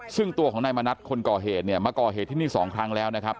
ซึ่งตัวของนายมณัฐคนก่อเหตุเนี่ยมาก่อเหตุที่นี่สองครั้งแล้วนะครับ